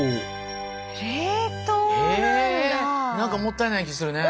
え何かもったいない気ぃするね。